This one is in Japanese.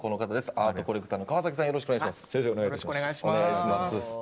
アートコレクターの川崎さん、よろしくお願いします。